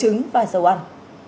chứng và dầu ăn